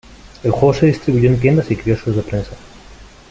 El juego se distribuyó en tiendas y quioscos de prensa.